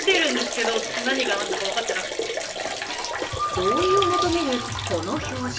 同意を求めるこの表示。